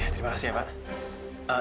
terima kasih bapak